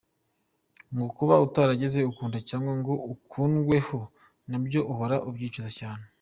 Ngo kuba utarigeze ukunda cyangwa ngo ukundweho nabyo uhora ubyicuza cyane.